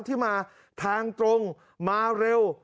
ที่มาทางตรงมาเร็ว